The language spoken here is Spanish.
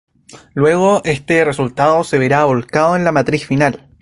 Luego, este resultado se vera volcado en la matriz final.